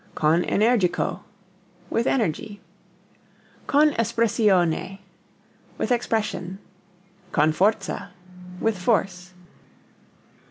Con energico with energy. Con espressione with expression. Con forza with force.